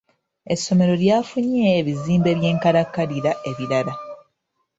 Essomero lyafunye ebizimbe by'enkalakkalira ebirala.